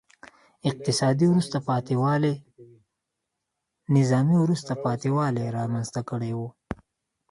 اقتصادي وروسته پاتې والي نظامي وروسته پاتې والی رامنځته کړی و.